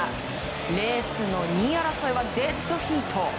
レースの２位争いはデッドヒート。